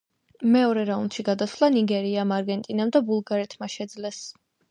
მეორე რაუნდში გასვლა ნიგერიამ, არგენტინამ და ბულგარეთმა შეძლეს.